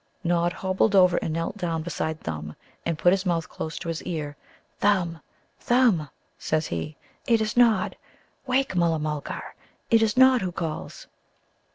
Nod hobbled over and knelt down beside Thumb, and put his mouth close to his ear. "Thumb, Thumb," says he, "it is Nod! Wake, Mulla mulgar; it is Nod who calls!"